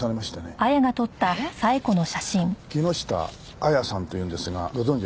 木下亜矢さんというんですがご存じありませんか？